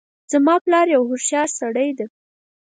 زما پلار یو هوښیارسړی ده